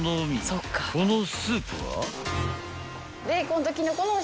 ［このスープは？］